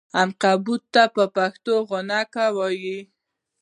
عنکبوت ته په پښتو غڼکه وایې!